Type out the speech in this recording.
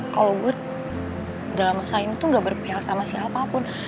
kalau gue dalam masa ini tuh gak berpihak sama siapapun